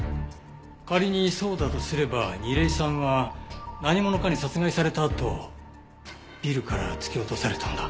仮にそうだとすれば楡井さんは何者かに殺害されたあとビルから突き落とされたんだ。